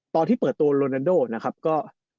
ตอนที่เปิดตัวโลนันโดนะครับก็